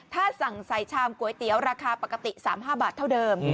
ถ้าสั่งใส่ชามก๋วยเตี๋ยวราคาปกติ๓๕บาทเท่าเดิม